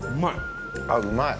塙：あっ、うまい。